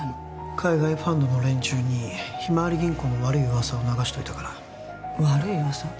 海外ファンドの連中にひまわり銀行の悪い噂を流しといたから悪い噂？